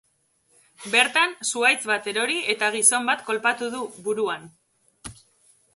Bertan, zuhaitz bat erori eta gizon bat kolpatu du, buruan.